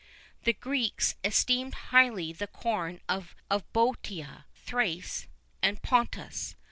[II 38] The Greeks esteemed highly the corn of Bœotia, Thrace, and Pontus.